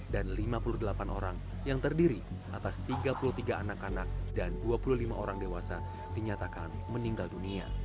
dan lima puluh delapan orang yang terdiri atas tiga puluh tiga anak anak dan dua puluh lima orang dewasa dinyatakan meninggal dunia